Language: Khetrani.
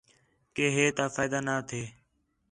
کہ ہے تا فائدہ نہ تھے